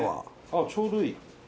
ああちょうどいい。